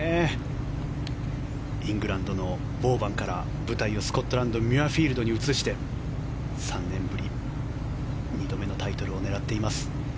イングランドのウォーバンから舞台をスコットランドのミュアフィールドに移して３年ぶり２度目のタイトルを狙っています。